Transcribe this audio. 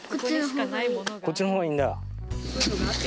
こっちのほうがいいんだ。